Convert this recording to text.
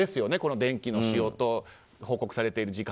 電気の使用と報告されている時間。